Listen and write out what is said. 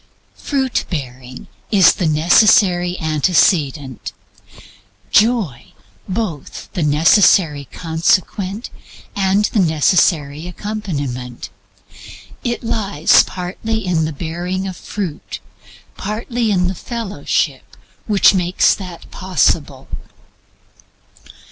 Fruit bearing is the necessary antecedent; Joy both the necessary consequent and the necessary accompaniment. It lay partly in the bearing fruit, partly in the fellowship which made that possible.